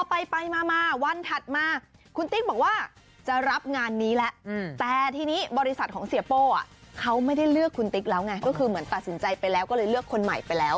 ไปมาวันถัดมาคุณติ๊กบอกว่าจะรับงานนี้แล้วแต่ทีนี้บริษัทของเสียโป้เขาไม่ได้เลือกคุณติ๊กแล้วไงก็คือเหมือนตัดสินใจไปแล้วก็เลยเลือกคนใหม่ไปแล้ว